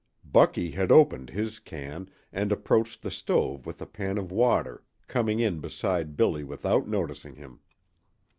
Bucky had opened his can, and approached the stove with a pan of water, coming in beside Billy without noticing him.